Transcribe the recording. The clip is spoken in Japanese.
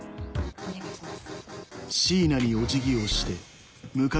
お願いします。